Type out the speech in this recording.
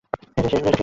এটাই শেষ গুলি।